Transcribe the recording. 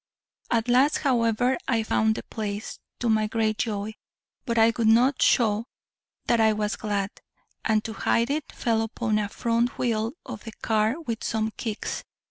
At last, however, I found the place, to my great joy, but I would not shew that I was glad, and to hide it, fell upon a front wheel of the car with some kicks.